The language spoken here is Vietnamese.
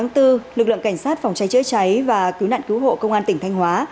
ngày năm bốn lực lượng cảnh sát phòng cháy chữa cháy và cứu nạn cứu hộ công an tp biên hòa